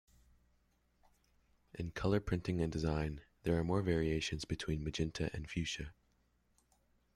In color printing and design, there are more variations between magenta and fuchsia.